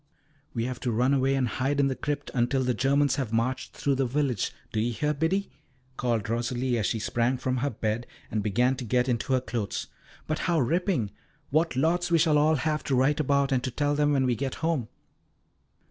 "We have to run away and hide in the crypt until the Germans have marched through the village. Do you hear, Biddy?" called Rosalie, as she sprang from her bed and began to get into her clothes. "But how ripping! What lots we shall all have to write about and to tell them when we get home!"